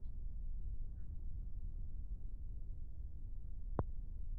Se inscribe en la Escuela de Artes Plásticas de San Cristóbal.